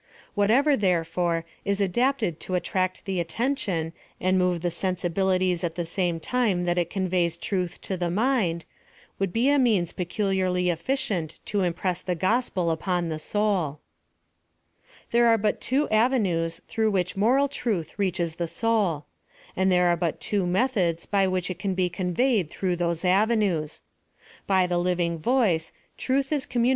Whatever, therefore, is adapted to attract the attention and move the sensibilities at the same time tha. it conveys truth to the mind, would be a means peculiarly efficient to impress the gospel upon the soul. I'here are but two avenues througli which moral truth reaches the soul. And there are but two me thods by which it can be conveyed through tliose avenues. By the living voice, truth is com muni PLAN OF SALVATION.